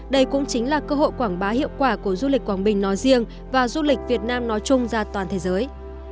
đây cũng chính là cơ hội quảng bá hiệu quả của du lịch quảng bình nói riêng và du lịch việt nam nói chung ra toàn thế giới